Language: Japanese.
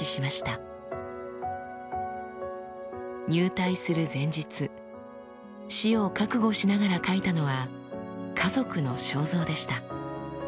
入隊する前日死を覚悟しながら描いたのは家族の肖像でした。